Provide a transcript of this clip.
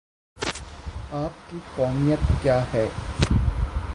آپ کی قومیت کیا ہے؟